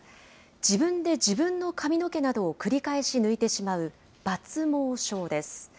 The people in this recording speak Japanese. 自分で自分の髪の毛などを繰り返し抜いてしまう、抜毛症です。